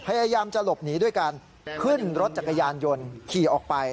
พยายามจะหลบหนีด้วยการขึ้นรถจักรยานยนต์ขี่ออกไป